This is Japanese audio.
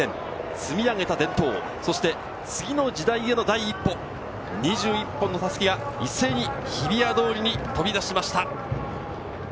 積み上げた伝統、そして次の時代への第一歩、２１本の襷が一斉に日比谷通りに飛び出しました。